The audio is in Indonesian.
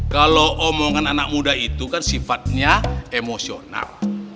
kalau omongan anak muda itu kan sifatnya emosional